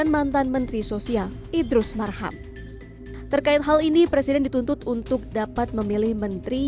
mantan menteri sosial idrus marham terkait hal ini presiden dituntut untuk dapat memilih menteri